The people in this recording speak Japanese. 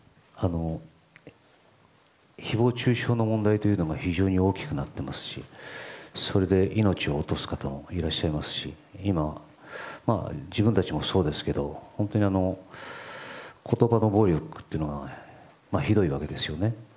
誹謗中傷の問題というのが非常に大きくなっていますしそれで、命を落とす方もいらっしゃいますし今、自分たちもそうですけど本当に言葉の暴力がひどいわけですよね。